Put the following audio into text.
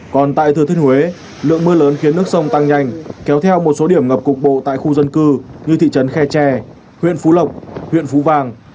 còn tại thừa thiên huế lượng mưa lớn khiến nước sông tăng nhanh kéo theo một số điểm ngập cục bộ tại khu dân cư như thị trấn khe tre huyện phú lộc huyện phú vàng